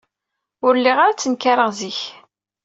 Ur lliɣ ara ttenkarɣ zik.